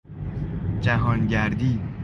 جهانگردی